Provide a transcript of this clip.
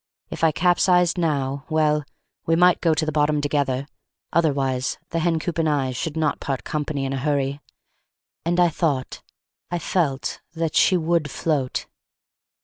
If I capsized now, well, we might go to the bottom together; otherwise the hen coop and I should not part company in a hurry; and I thought, I felt, that she would float.